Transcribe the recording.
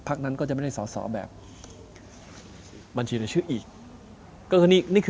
ภักดิ์นั้นก็จะไม่ได้สอแบบบัญชีได้ชื่ออีก